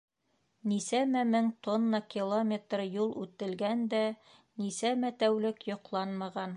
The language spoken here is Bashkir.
Нисәмә мең тонна-километр юл үтелгән дә нисәмә тәүлек йоҡланмаған!